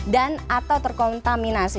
dan atau terkontaminasi